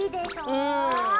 うん。